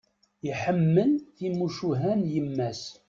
Iḥemmel timucuha n yemma-s.